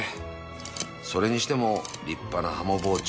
それにしても立派なハモ包丁